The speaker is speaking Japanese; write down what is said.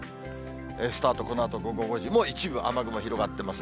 スタート、このあと午後５時、もう一部、雨雲広がってます。